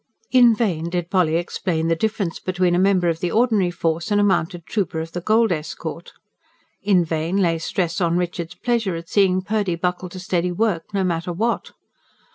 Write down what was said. In vain did Polly explain the difference between a member of the ordinary force and a mounted trooper of the gold escort; in vain lay stress on Richard's pleasure at seeing Purdy buckle to steady work, no matter what.